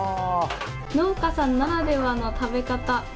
農家さんならではの食べ方。